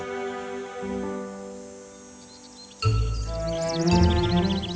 tidak itu tidak cukup kuat